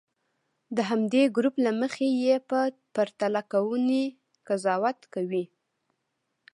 د همدې ګروپ له مخې یې په پرتله کوونې قضاوت کوي.